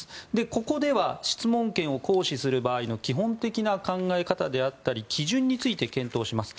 ここでは質問権を行使する場合の基本的な考え方であったり基準について検討します。